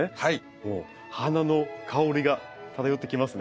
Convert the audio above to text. もう花の香りが漂ってきますね。